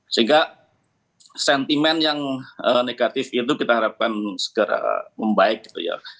sehingga sentimen yang negatif itu kita harapkan segera membaik gitu ya